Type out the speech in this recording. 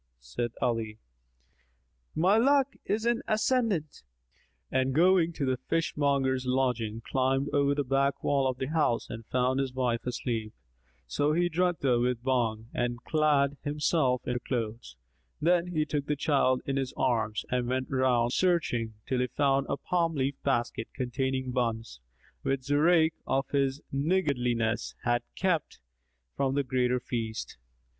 Said Ali, "My luck is in the ascendant," and going to the fishmonger's lodging, climbed over the back wall of the house and found his wife asleep. So he drugged her with Bhang and clad himself in her clothes. Then he took the child in his arms and went round, searching, till he found a palm leaf basket containing buns,[FN#249] which Zurayk of his niggardliness, had kept from the Greater Feast.